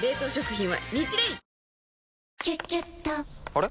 あれ？